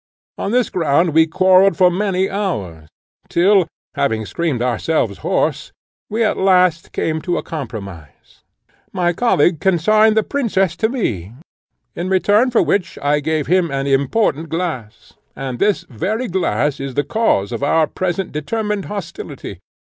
On this ground we quarrelled for many hours, till, having screamed ourselves hoarse, we at last came to a compromise. My colleague consigned the princess to me, in return for which I gave him an important glass, and this very glass is the cause of our present determined hostility.